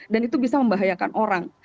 dan itu bisa membahayakan orang